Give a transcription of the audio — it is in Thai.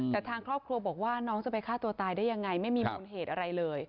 แต่ทางครอบครัวบอกว่าน้องจะไปฆ่าตัวตายได้ยังไงไม่มีมูลเหตุอะไรเลย